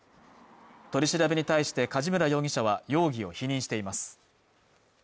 取り調べに対して梶村容疑者は容疑を否認しています